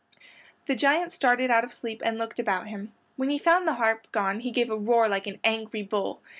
The giant started out of sleep and looked about him. When he found the harp gone he gave a roar like an angry bull.